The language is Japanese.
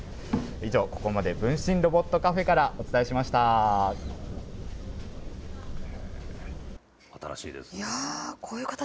以上、ここまで分身ロボットカフェからお伝えしました。